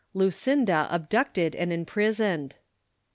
LUCINDA ABDUCTED AXD IMPRISOXED.